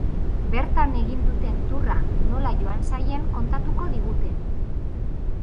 Bertan egin duten tourra nola joan zaien kontatuko digute.